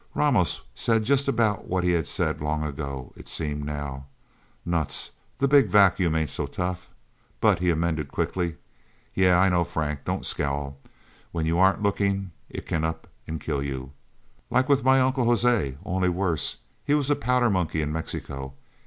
Ramos said just about what he had said long ago, it seemed, now. "Nuts the Big Vacuum ain't so tough." But he amended quickly, "Yeah, I know, Frank don't scowl. When you aren't looking, it can up and kill you. Like with my Uncle José, only worse. He was a powder monkey in Mexico.